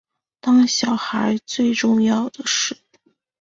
当小孩最重要的事